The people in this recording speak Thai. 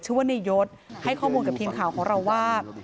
ชื่อว่านายยศให้ข้อมูลกับทีมข่าวของเราว่า